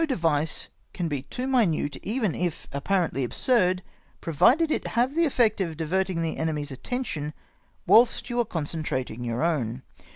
device can be too minute, even if apparently absurd, provided it have tlie effect of diverting tlie enemy's at tention whilst you are concentratmg your own.